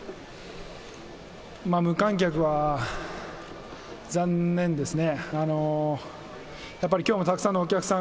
無観客は残念ですね。